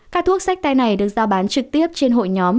các thuốc sách tay này được giao bán trực tiếp trên hội nhóm